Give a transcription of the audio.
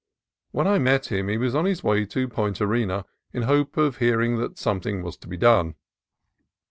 When I met him he was on his way to Point Arena in hope of hearing that something was to be done.